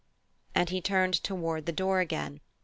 And he turned toward the door again.